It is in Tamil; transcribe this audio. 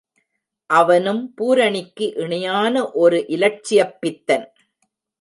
அவனும் பூரணிக்கு இணையான ஓர் இலட்சியப் பித்தன்.